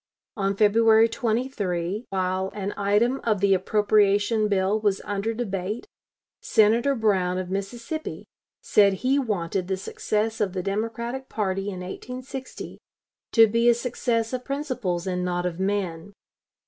On February 23, while an item of the appropriation bill was under debate, Senator Brown, of Mississippi, said he wanted the success of the Democratic party in 1860 to be a success of principles and not of men.